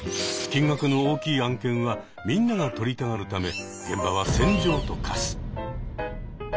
金額の大きい案件はみんなが取りたがるため現場は戦場と化す。